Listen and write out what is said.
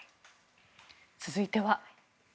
続いては。